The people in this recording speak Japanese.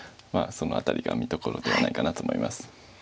その辺りが見どころではないかなと思います。